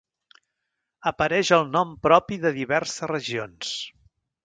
Apareix al nom propi de diverses regions.